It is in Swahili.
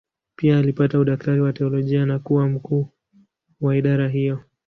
Pia alipata udaktari wa teolojia na kuwa mkuu wa idara hiyo.